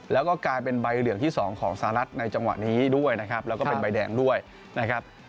แล้วก็กลายเป็นใบเหลืองที่๒ของสหรัฐในจังหวะนี้ด้วยนะครับแล้วก็เป็นใบแดงด้วยนะครับ